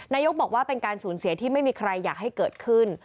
นายกบอกว่าเป็นการสูญเสียที่ไม่มีใครอยากให้เกิดขึ้น